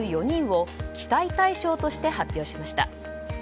４人を期待大将として発表しました。